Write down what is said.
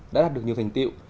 đã đạt được nhiều thành tiệu